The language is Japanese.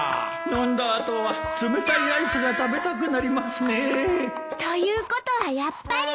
飲んだ後は冷たいアイスが食べたくなりますねぇということはやっぱり！